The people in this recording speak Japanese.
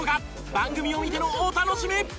番組を見てのお楽しみ！